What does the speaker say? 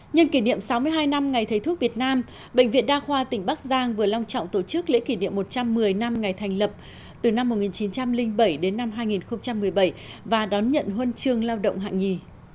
nhân kỷ niệm sáu mươi hai năm ngày thầy thuốc việt nam bệnh viện đa khoa tỉnh bắc giang vừa long trọng tổ chức lễ kỷ niệm một trăm một mươi năm ngày thành lập từ năm một nghìn chín trăm linh bảy đến năm hai nghìn một mươi bảy và đón nhận huân chương lao động hạng nhì